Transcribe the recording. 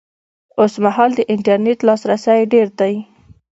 اوس مهال د انټرنېټ لاسرسی ډېر دی